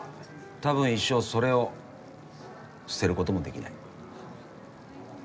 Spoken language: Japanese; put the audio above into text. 多分一生それを捨てることもできない。